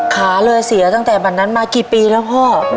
ขาเลยเสียตั้งแต่บัตรนั้นมากี่ปีแล้วพ่อ